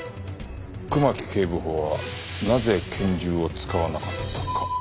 熊木警部補はなぜ拳銃を使わなかったか。